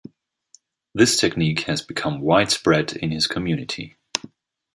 This technique has become widespread in his community.